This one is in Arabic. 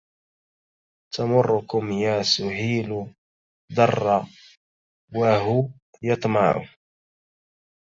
تمركم يا سهيل در وه يطمع